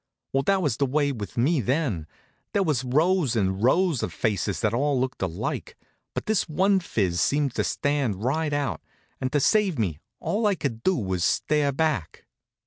Well, that was the way with me then. There was rows and rows of faces that all looked alike, but this one phiz seemed to stand right out; and to save me, all I could do was to stare back.